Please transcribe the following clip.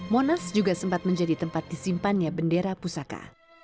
monas juga sempat menjadi tempat disimpannya bendera pusaka